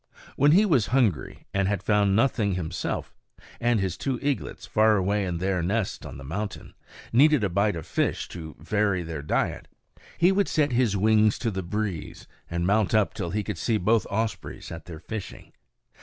When he was hungry and had found nothing himself, and his two eaglets, far away in their nest on the mountain, needed a bite of fish to vary their diet, he would set his wings to the breeze and mount up till he could see both ospreys at their fishing.